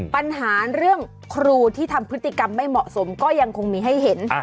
ปัญหาเรื่องครูที่ทำพฤติกรรมไม่เหมาะสมก็ยังคงมีให้เห็น